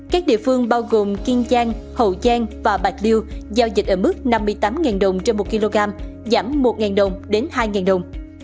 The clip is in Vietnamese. các địa phương bao gồm kiên giang hậu giang và bạc liêu giao dịch ở mức năm mươi tám đồng trên một kg giảm một đồng đến hai đồng